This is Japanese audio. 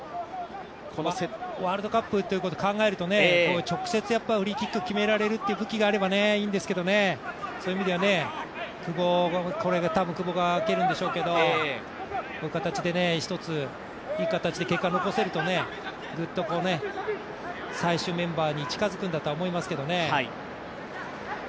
ワールドカップということを考えると直接フリーキックを決められるって武器があるといいんですけどそういう意味では久保が蹴るんでしょうけど、こういう形でひとついい形で結果を残せるとぐっと最終メンバーに近づくんだと思いますけど。